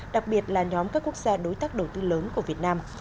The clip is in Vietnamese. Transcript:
đặc biệt là nhóm các quốc gia đối tác đầu tư lớn của việt nam